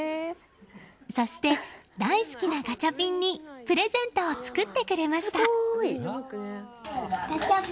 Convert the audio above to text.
そして、大好きなガチャピンにプレゼントを作ってくれました。